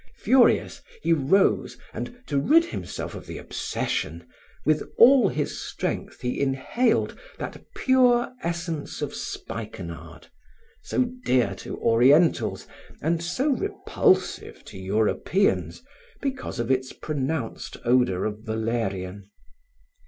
Furious, he rose and to rid himself of the obsession, with all his strength he inhaled that pure essence of spikenard, so dear to Orientals and so repulsive to Europeans because of its pronounced odor of valerian.